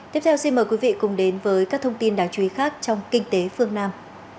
tiếp theo xin mời quý vị cùng đến với các thông tin đáng chú ý khác trong kinh tế phương nam